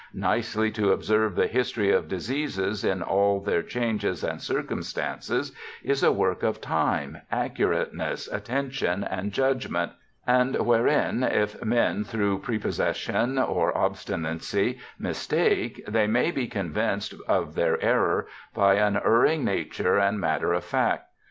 Nicely to observe the history of diseases in all their changes and circumstances is a tvork of time, accuratcncss, attri tion, and Judgement, and wherein if men, through pre possession or obstinacy, mistake, they may be convinced of their error by unerring nature and matter of fact.